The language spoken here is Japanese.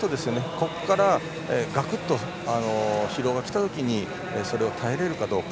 ここからガクッと疲労がきたときそれを耐えられるかどうか。